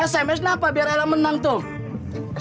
sms napa biar ella menang tuh